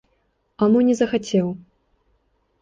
А мо не захацеў.